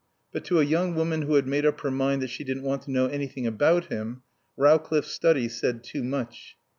But, to a young woman who had made up her mind that she didn't want to know anything about him, Rowcliffe's study said too much.